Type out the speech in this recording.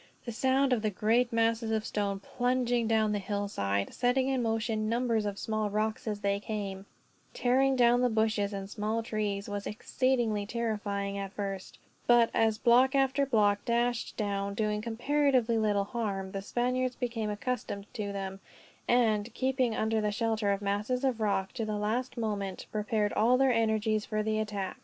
The sound of the great masses of stone, plunging down the hillside, setting in motion numbers of small rocks as they came, tearing down the bushes and small trees, was exceedingly terrifying at first; but as block after block dashed down, doing comparatively little harm, the Spaniards became accustomed to them; and, keeping under the shelter of masses of rock, to the last moment, prepared all their energies for the attack.